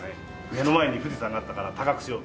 目の前に富士山があったから高くしようと。